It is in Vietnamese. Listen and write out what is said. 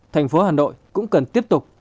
thành phố hà nội cũng cần tiếp tục